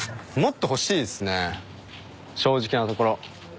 正直なところ。